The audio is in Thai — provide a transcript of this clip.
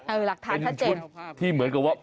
เออหลักฐานทัชเจนเป็นชุดที่เหมือนกับว่า